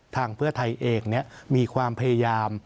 ทางเพื่อไทยเองมีความพยายาม